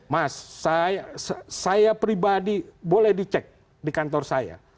mas saya pribadi boleh dicek di kantor saya